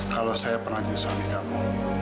kalau saya pernah jesoni kamu